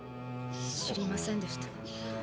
知りませんでした。